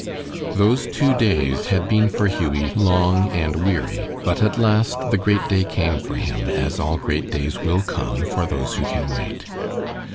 Those two days had been for Hughie long and weary, but at last the great day came for him, as all great days will come for those who can wait.